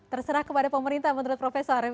terserah kepada pemerintah menurut profesor